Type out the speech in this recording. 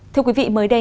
thưa quý vị mới đây